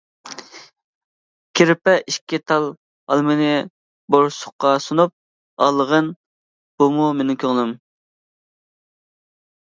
كىرپە ئىككى تال ئالمىنى بورسۇققا سۇنۇپ: ئالغىن بۇمۇ مېنىڭ كۆڭلۈم!